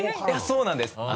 いやそうなんです。